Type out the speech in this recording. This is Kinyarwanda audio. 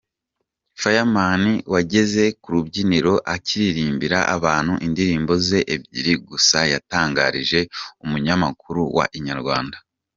Fireman wageze k’urubyiniro akaririmbira abantu indirimbo ze ebyiri gusa yatangarije umunyamakuru wa Inyarwanda.